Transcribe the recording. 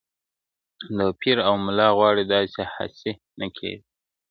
دا پير اوملا غواړي ،داسي هاسي نه كــــيـــــږي.